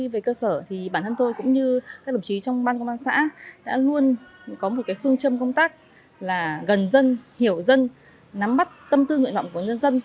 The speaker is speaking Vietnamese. về cơ sở thì bản thân tôi cũng như các đồng chí trong ban công an xã đã luôn có một phương châm công tác là gần dân hiểu dân nắm mắt tâm tư nguyện vọng của nhân dân